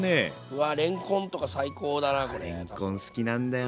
うわれんこんとか最高だなこれ。